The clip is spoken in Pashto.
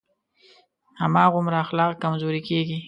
هماغومره اخلاق کمزوری کېږي.